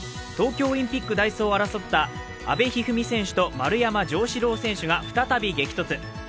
東京オリンピック代表を争った阿部一二三選手と丸山城志郎選手が再び激突。